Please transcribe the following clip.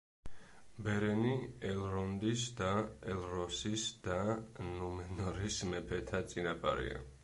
ბერენი ელრონდის და ელროსის და ნუმენორის მეფეთა წინაპარია.